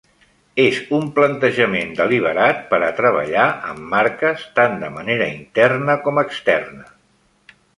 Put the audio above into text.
És un plantejament deliberat per a treballar amb marques, tant de manera interna com externa.